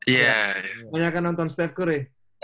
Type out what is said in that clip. ya banyak yang nonton steph curry